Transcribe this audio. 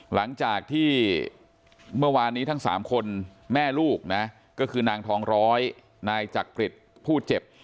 หลังจากที่เมื่อวานนี้ทั้ง๓คนแม่ลูกนะก็คือนางทองร้อยนายจักริตผู้เจ็บ